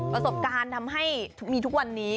ประสบการณ์ทำให้มีทุกวันนี้